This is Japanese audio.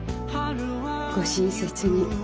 ご親切に。